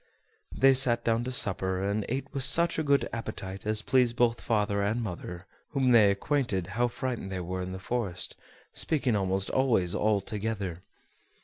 They sat down to supper, and ate with such a good appetite as pleased both father and mother, whom they acquainted how frightened they were in the forest, speaking almost always all together.